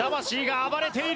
暴れている。